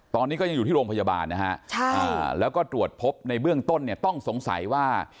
ตอนนี้ก็ยังอยู่ที่โรงพยาบาลนะฮะแล้วก็ตรวจพบในเบื้องต้นเนี่ยต้องสงสัยว่า